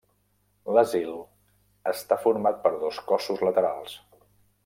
L'Asil està format per dos cossos laterals.